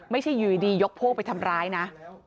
ไม่ใช่อยู่ดียกพวกไปทำร้ายนะ